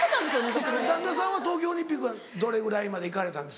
旦那さんは東京オリンピックはどれぐらいまで行かれたんですか。